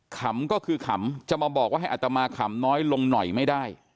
ขำก็คือขำจะมาบอกว่าให้อัตมาขำน้อยลงหน่อยไม่ได้